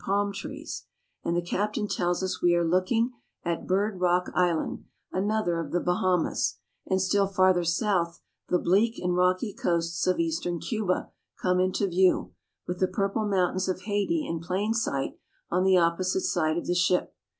palm trees, and the captain tells us we are looking at Bird Rock Island, another of the Baha mas ; and still farther south the bleak and rocky coasts of eastern Cuba come into view, with the purple mountains of Haiti in plain sight on the opposite side of the ship.